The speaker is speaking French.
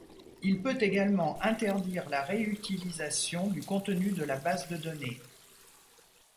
Il peut également interdire la réutilisation du contenu de la base de données.